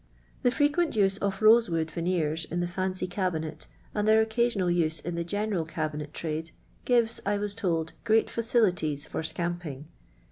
The frequent use of rosewood veneers in the fancy cabinet, and their occasional use in the general cabinet trade gives, I was told, great facilities for scamping.